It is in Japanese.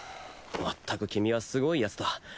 まったく君はすごいヤツだ。